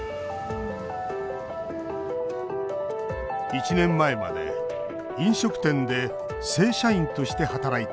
１年前まで飲食店で正社員として働いていた。